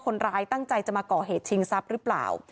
คนร้ายตั้งใจจะมาก่อเหตุชิงทรัพย์หรือเปล่า